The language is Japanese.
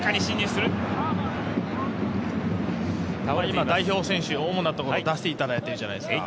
今、代表選手、主なところ出ているじゃないですか。